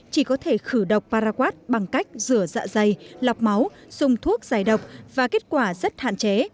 chỉ có thể khử độc paraquad bằng cách rửa dạ dày lọc máu dùng thuốc giải độc và kết quả rất hạn chế